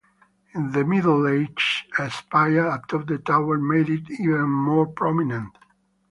In the Middle Ages a spire atop the tower made it even more prominent.